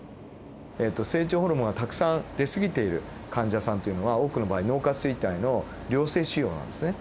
成長ホルモンがたくさん出過ぎている患者さんというのは多くの場合脳下垂体の良性腫瘍なんですね。